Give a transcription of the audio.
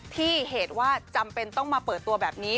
เหตุว่าจำเป็นต้องมาเปิดตัวแบบนี้